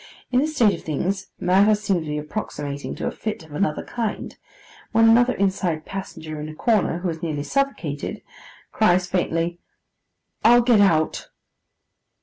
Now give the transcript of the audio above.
In this state of things, matters seem to be approximating to a fix of another kind, when another inside passenger in a corner, who is nearly suffocated, cries faintly, 'I'll get out.